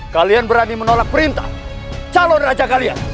kalian berani menolak perintah calon raja kalian